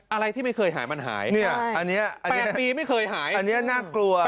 อะไรที่ไม่เคยหายมันหายเนี่ยอันนี้๘ปีไม่เคยหายอันนี้น่ากลัว